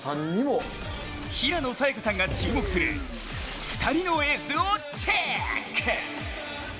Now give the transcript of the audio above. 平野早矢香さんが注目する２人のエースをチェック。